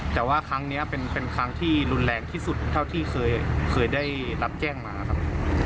แต่ว่าครั้งนี้เป็นครั้งที่รุนแรงที่สุดเท่าที่เคยได้รับแจ้งมาครับ